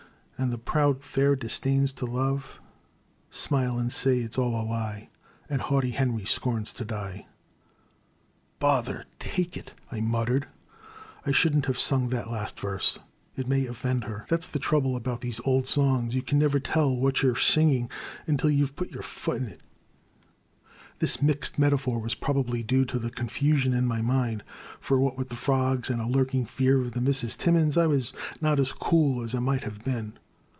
And the proud fair disdains to love, Smile and say 't is all a lie, And haughty Henry scorns to die !"Bother take it,'* I muttered, *'I shouldn't have sung that last verse— it may oflFend her. That 's the trouble about those old songs; you The Crime, 281 never can tell what you 're singing until you 've put your foot in it." This mixed metaphor was probably due to the confusion in my mind, for what with the frogs and a lurking fear of the Misses Timmins, I was not as cool as I might have been.